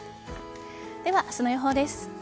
では、明日の予報です。